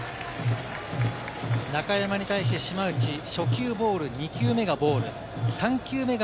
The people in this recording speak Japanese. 中山に対して島内、初球はボール、２球目がボール、３球目が